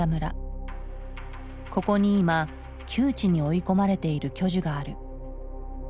ここに今窮地に追い込まれている巨樹がある。